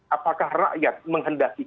apakah rakyat menghendaki